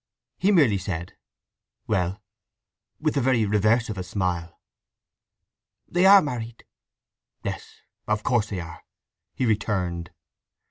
He merely said "Well?" with the very reverse of a smile. "They are married." "Yes—of course they are!" he returned.